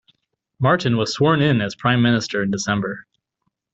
Martin was sworn in as Prime Minister in December.